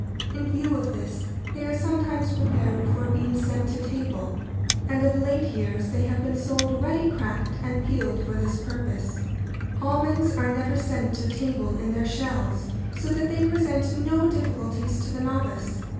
In view of this, they are sometimes prepared before being sent to table, and of late years they have been sold ready cracked and peeled for this purpose. [Sidenote: Almonds.] Almonds are never sent to table in their shells, so that they present no difficulties to the novice.